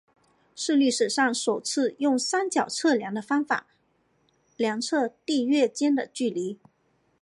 是历史上首次用三角测量的方法量测地月间的距离。